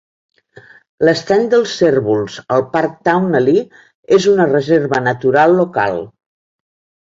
L'estany dels cérvols al Parc Towneley és una reserva natural local.